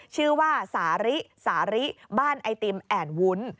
ชื่อว่าสาริสาริบ้านไอติมแอ่นวุ้น